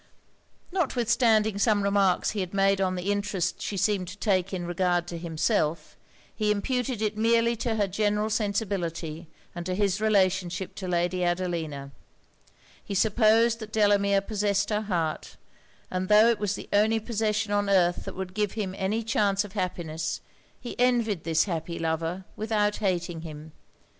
Notwithstanding some remarks he had made on the interest she seemed to take in regard to himself, he imputed it merely to her general sensibility and to his relationship to Lady Adelina. He supposed that Delamere possessed her heart; and tho' it was the only possession on earth that would give him any chance of happiness, he envied this happy lover without hating him.